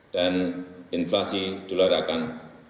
dan inflasi dolar akan